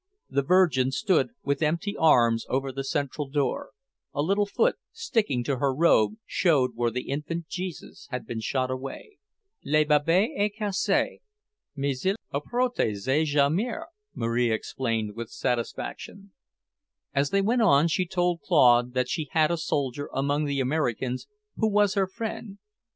The Virgin stood with empty arms over the central door; a little foot sticking to her robe showed where the infant Jesus had been shot away. "Le bébé est cassé, mais il a protégé sa mère," Marie explained with satisfaction. As they went on, she told Claude that she had a soldier among the Americans who was her friend.